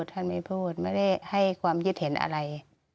ท่านไม่พูดไม่ได้ให้ความคิดเห็นอะไร